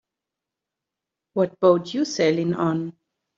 What boat you sailing on?